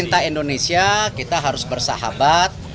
kita cinta indonesia kita harus bersahabat